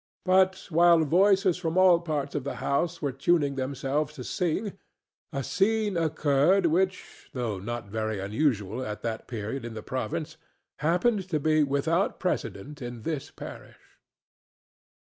But while voices from all parts of the house were tuning themselves to sing a scene occurred which, though not very unusual at that period in the province, happened to be without precedent in this parish.